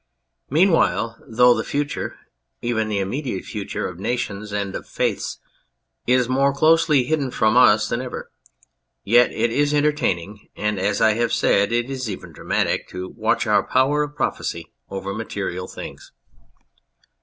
Meanwhile, though the future, even the immediate future, of nations and of faiths is more closely hidden from us than ever, yet it is entertaining, and, as I have said, it is even dramatic, to watch our power of prophecy over material things.